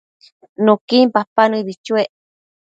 Nuquin papa nëbi chuec